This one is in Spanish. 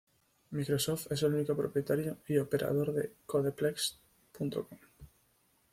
Microsoft es el único propietario y operador de CodePlex.com.